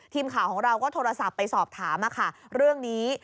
ทีมข่าวของเราก็โทรศัพท์ไปสอบถามเรื่องนี้